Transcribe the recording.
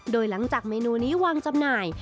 โดยหลังจากเมนูนี้วางจำหน่าย